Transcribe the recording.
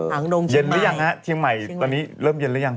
หางดงเย็นหรือยังฮะเชียงใหม่ตอนนี้เริ่มเย็นหรือยัง